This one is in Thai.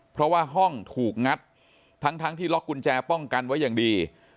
เพราะว่าห้องถูกงัดทั้งที่ล็อกกุญแจป้องกันไว้อย่างดี